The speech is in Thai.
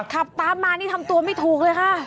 ขับตามมานี่ทำตัวไม่ถูกเลยค่ะ